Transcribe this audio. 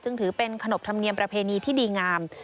ถือเป็นขนบธรรมเนียมประเพณีที่ดีงาม